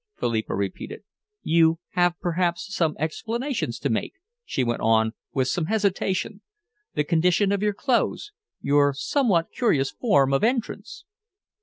Philippa repeated. "You have perhaps, some explanations to make," she went on, with some hesitation; "the condition of your clothes, your somewhat curious form of entrance?"